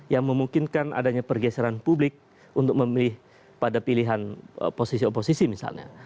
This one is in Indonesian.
yang memungkinkan adanya pergeseran publik untuk memilih pada pilihan posisi oposisi misalnya